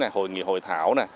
hội nghị hội thảo